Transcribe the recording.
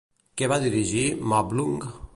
Què va dirigir Màblung?